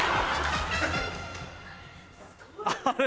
あれ？